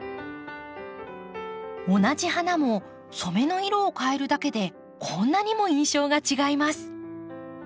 同じ花も染めの色を変えるだけでこんなにも印象が違います。